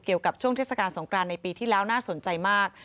เกี่ยวกับช่วงเทศกาลสงครานในปีที่แล้วน่าสนใจมาก